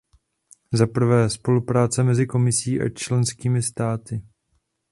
Za prvé, spolupráce mezi Komisí a členskými státy.